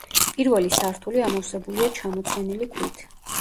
პირველი სართული ამოვსებულია ჩამოცვენილი ქვით.